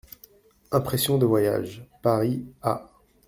=Impressions de voyage.= Paris, A.